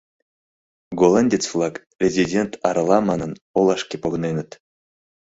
Голландец-влак, резидент арала манын, олашке погыненыт.